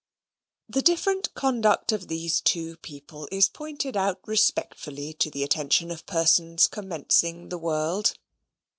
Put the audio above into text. The different conduct of these two people is pointed out respectfully to the attention of persons commencing the world.